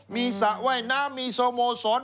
มีสระว่ายน้ำมีสโมสร